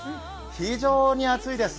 非常に暑いです。